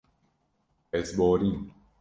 Ez borîm.